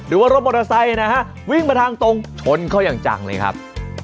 หรือว่ารถมอเตอร์ไซค์นะฮะวิ่งมาทางตรงชนเขาอย่างจังเลยครับ